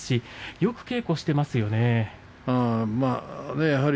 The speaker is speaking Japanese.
よく稽古をしていますね。